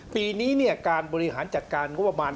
ปีนี้เนี่ยการบริหารจัดการวะประมาณ